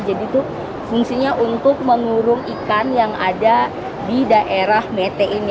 jadi itu fungsinya untuk mengurung ikan yang ada di daerah mete ini